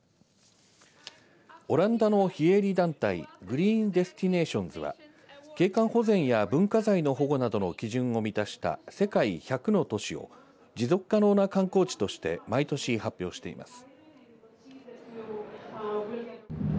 オランダの非営利団体グリーン・デスティネーションズは景観保全や文化財の保護などの基準を満たした世界１００の都市を持続可能な観光地として毎年発表しています。